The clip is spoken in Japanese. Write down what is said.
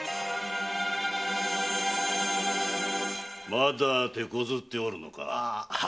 まだてこずっておるのか。